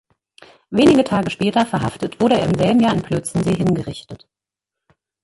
Wenige Tage später verhaftet, wurde er im selben Jahr in Plötzensee hingerichtet.